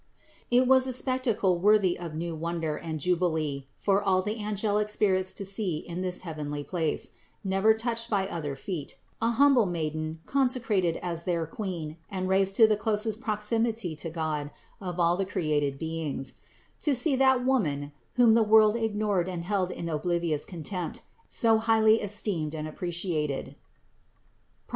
74. It was a spectacle worthy of new wonder and jubilee for all the angelic spirits to see in this heavenly place, never touched by other feet, an humble Maiden consecrated as their Queen and raised to the closest proximity to God of all the created beings; to see that Woman, whom the world ignored and held in obliv ious contempt, so highly esteemed and appreciated (Prov.